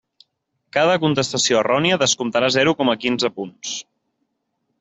Cada contestació errònia descomptarà zero coma quinze punts.